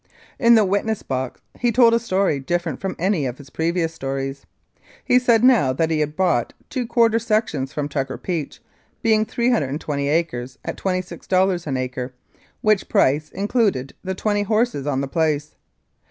In the witness box he told a story different from any of his previous stories. He said now that he had bought two quarter sections from Tucker Peach, being 320 acres at $26 an acre, which price included the twenty horses on the place.